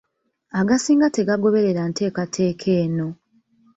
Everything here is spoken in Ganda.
Agasinga tegagoberera nteekateeka eno.